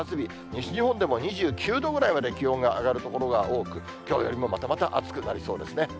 西日本でも２９度ぐらいまで気温が上がる所が多く、きょうよりもまたまた暑くなりそうですね。